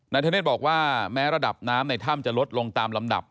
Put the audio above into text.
ธเนธบอกว่าแม้ระดับน้ำในถ้ำจะลดลงตามลำดับ